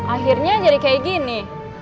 akhirnya jadi kayak gini